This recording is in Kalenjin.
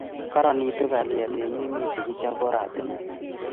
Karanitu kalyet eng' emet ye kichop oratinwek